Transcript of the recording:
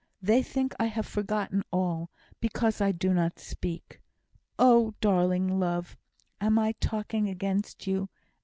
They think I have forgotten all, because I do not speak. Oh, darling love! am I talking against you?"